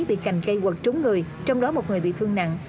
bị cành gây quật trúng người trong đó một người bị thương nặng